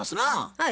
はい。